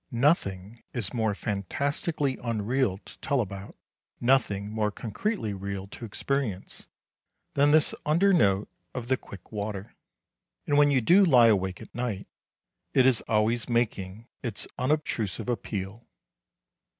"Nothing is more fantastically unreal to tell about, nothing more concretely real to experience, than this undernote of the quick water. And when you do lie awake at night, it is always making its unobtrusive appeal.